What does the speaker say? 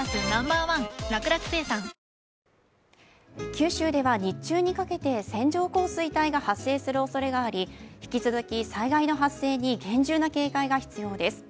九州では日中にかけて線状降水帯が発生するおそれがあり引き続き災害の発生に厳重な警戒が必要です。